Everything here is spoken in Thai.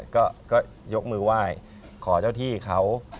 ก็ยกมือไหว้ขอเจ้าที่เขา